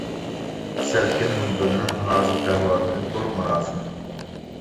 سەلكىن مۇنبىرىنىڭ ھازىرقى ئەھۋالىدىن تولىمۇ رازىمەن.